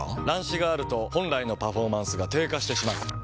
乱視があると本来のパフォーマンスが低下してしまう。